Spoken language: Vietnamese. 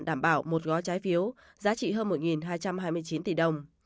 đảm bảo một gói trái phiếu giá trị hơn một hai trăm hai mươi chín tỷ đồng